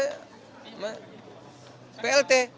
kepala daerah kepolisian kepolitik praktis